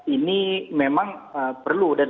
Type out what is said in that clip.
ini memang perlu dan